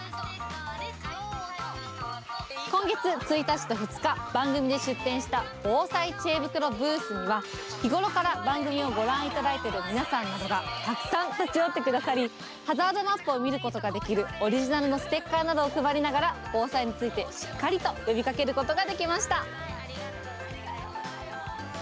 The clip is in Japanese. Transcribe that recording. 今月１日と２日、番組で出展した防災知恵袋ブースには、日頃から番組をご覧いただいている皆さんなどがたくさん立ち寄ってくださり、ハザードマップを見ることができるオリジナルのステッカーなどを配りながら、防災についてしっかりと呼びかけることができました。